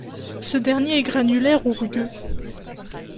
Ce dernier est granulaire ou rugueux.